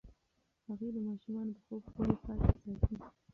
هغې د ماشومانو د خوب خونې پاکې ساتي.